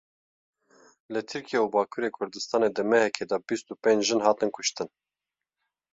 Li Tirkiye û Bakurê Kurdistanê di mehekê de bîst û pênc jin hatin kuştin.